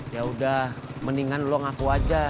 yaudah mendingan lu ngaku aja